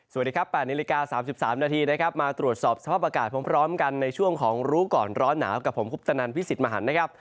สวัสดีครับ๘นาฬิกา๓๓นาทีนะครับมาตรวจสอบสภาพอากาศพร้อมกันในช่วงของรู้ก่อนร้อนหนาวกับผมคุปตนันพิสิทธิ์มหันนะครับ